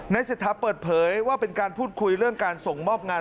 เศรษฐาเปิดเผยว่าเป็นการพูดคุยเรื่องการส่งมอบงาน